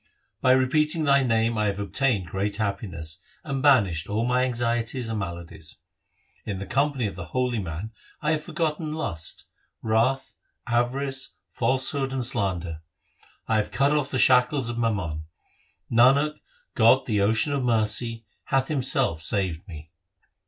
By repeating Thy name I have obtained great happiness, and banished all my anxieties and maladies. In the company of the holy man I have forgotten lust, wrath, avarice, falsehood, and slander. I have cut off the shackles of mammon ; Nanak, God, the Ocean of mercy, hath Himself saved me.